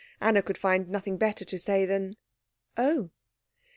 Anna could find nothing better to say than "Oh."